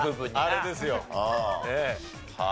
あれですよ。